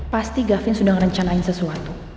pasti gavin sudah ngerencanain sesuatu